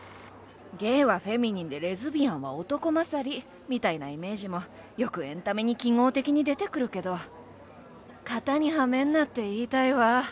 ゲイはフェミニンでレズビアンは男勝りみたいなイメージもよくエンタメに記号的に出てくるけど型にはめんなって言いたいわ。